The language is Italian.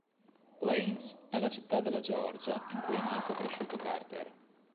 Plains è la città della Georgia in cui è nato e cresciuto Carter.